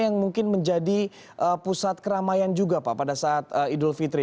yang mungkin menjadi pusat keramaian juga pak pada saat idul fitri